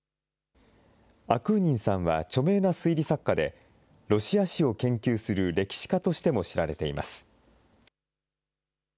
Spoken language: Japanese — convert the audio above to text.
アクーニンさんは著名な推理作家でロシア史を研究する歴史家としても知られています。